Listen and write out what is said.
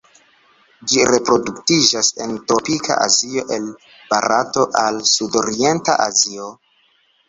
Ĝi reproduktiĝas en tropika Azio el Barato al Sudorienta Azio.